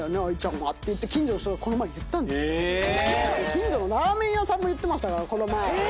近所のラーメン屋さんも言ってましたからこの前。